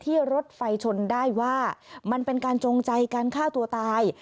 รถไฟชนได้ว่ามันเป็นการจงใจการฆ่าตัวตาย